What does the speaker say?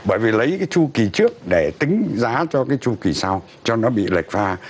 bởi vì lấy cái chu kỳ trước để tính giá cho cái chu kỳ sau cho nó bị lệch pha